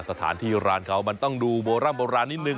สถานที่ร้านเขามันต้องดูโบราณนิดนึง